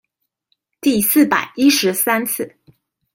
第四百一十三次